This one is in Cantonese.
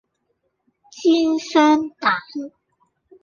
煎雙蛋